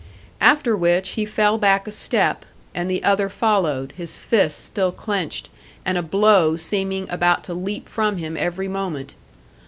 After which he fell back a step, and the other followed, his fists still clenched, and a blow seeming about to leap from him every moment.